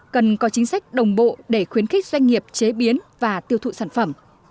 cần có chính sách đồng bộ để khuyến khích doanh nghiệp chế biến và tiêu thụ sản phẩm